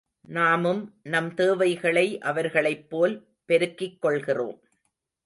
நாமும் நம் தேவைகளை அவர்களைப்போல் பெருக்கிக் கொள்கிறோம்.